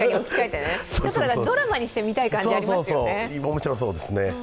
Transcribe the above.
ドラマにして見たい感じありますよね。